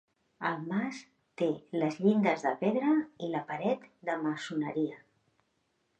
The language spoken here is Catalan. El mas té les llindes de pedra i la paret de maçoneria.